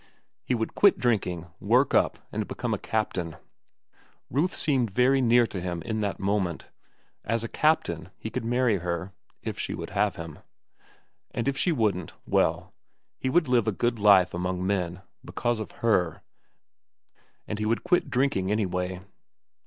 He would quit drinking, work up, and become a captain. Ruth seemed very near to him in that moment. As a captain, he could marry her (if she would have him). And if she wouldn't, well—he would live a good life among men, because of Her, and he would quit drinking anyway.